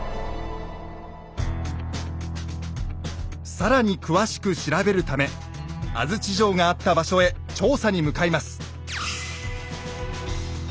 更に詳しく調べるため安土城があった場所へ調査に向かいます。